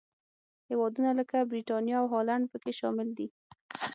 هېوادونه لکه برېټانیا او هالنډ پکې شامل دي.